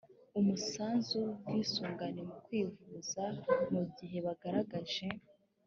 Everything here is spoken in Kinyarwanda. umusanzu w ubwisungane mu kwivuza mu gihe bagaragaje